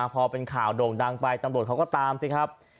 พอเป็นข่าวโด่งดังไปตำรวจเขาก็ตามสิครับ